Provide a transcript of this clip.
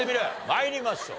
参りましょう。